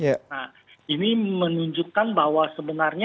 nah ini menunjukkan bahwa sebenarnya